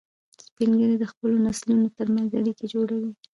سپین ږیری د خپلو نسلونو تر منځ اړیکې جوړوي